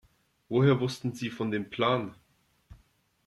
Woher wussten Sie von dem Plan?